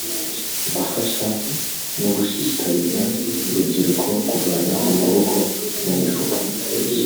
gufasha no gushishikariza urubyiruko kuvana amaboko mu mifuka